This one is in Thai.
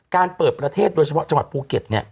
การเปิดประเทศโดยเฉพาะจังหวัดภูเก็ตเนี่ย